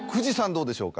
どうでしょうか？